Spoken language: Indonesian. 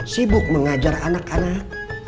sibuk mengajar anak anak